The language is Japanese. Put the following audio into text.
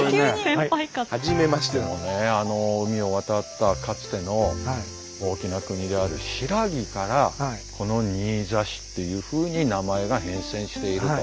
あの海を渡ったかつての大きな国である新羅からこの新座市っていうふうに名前が変遷していると。